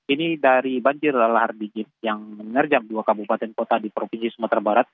ini dari banjir lahar dingin yang menerjang dua kabupaten kota di provinsi sumatera barat